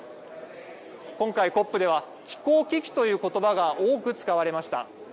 今回、ＣＯＰでは気候危機ということばが多く使われました。